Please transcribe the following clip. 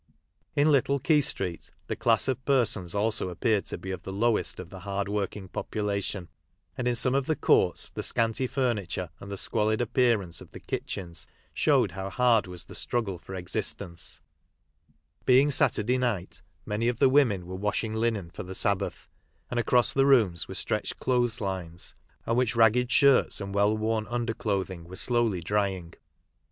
In Little Quay street the class of persons also appeared to be of the lowest of the hard world ng population, and in some of the courts the scanty furniture and the squalid appearance of t lie I: itch en a showed how hard was the struggle for existence. Being Saturday night many of the women were 11 CIU. Ml. VAX MAN0I11CSTKJI— DKANSGATK: GAMBLING AND PRIZE PIGHTIN G. washing linen for the Sabbath, and across the rooms were stretched clothes lines, on which ragged shirts and well worn underclothing were slowly drying.